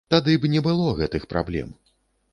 Тады б не было гэтых праблем.